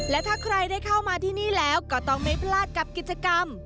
และถ้าใครได้เข้ามาที่นี่แล้วก็ต้องไม่พลาดกับกิจกรรม